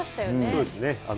そうですね。